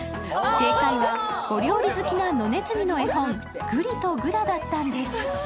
正解はお料理好きな野ねずみの絵本、「ぐりとぐら」だったんです。